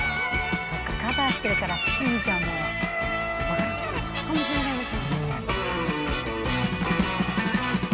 そっかカバーしてるからすずちゃんもわかる？かもしれないです。